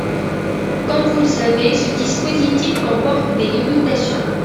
Comme vous le savez, ce dispositif comporte des limitations.